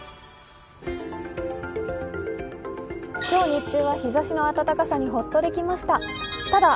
今日日中は日ざしの暖かさにホッとできました。